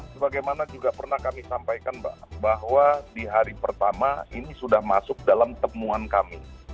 sebagaimana juga pernah kami sampaikan bahwa di hari pertama ini sudah masuk dalam temuan kami